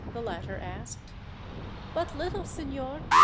the latter asked. "But little, signor.